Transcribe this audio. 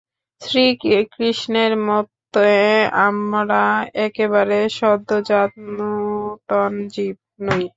শ্রীকৃষ্ণের মতে আমরা একেবারে সদ্যোজাত নূতন জীব নই।